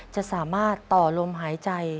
จะสามารถต่อลมหายใจ